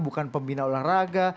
bukan pembina olahraga